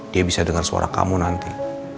dia bisa dengar suara kamu nanti